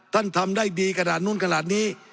ทำได้ดีขนาดนู้นขนาดนี้